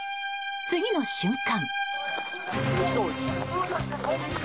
次の瞬間。